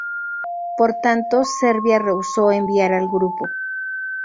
Por tanto Serbia rehusó enviar al grupo.